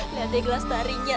liat deh gles tarinya